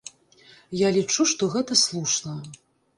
Я лічу, што гэта слушна.